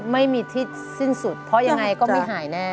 ไม่มีที่สิ้นสุดเพราะยังไงก็ไม่หายแน่